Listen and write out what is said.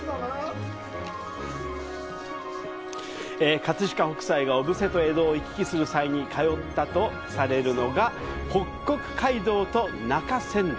葛飾北斎が小布施と江戸を行き来する際に通ったとされるのが北国街道と中山道。